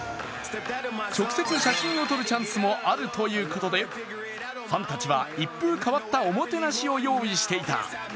直接写真を撮るチャンスもあるということで、ファンたちは一風変わったおもてなしを用意していた。